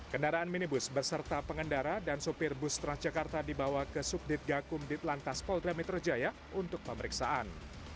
kendaraan minibus berserta pengendara dan sopir bus transjakarta dibawa ke subdit gakum ditlantas polda metro jaya untuk pemeriksaan